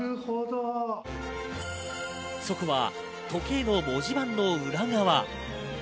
そこは時計の文字盤のウラ側。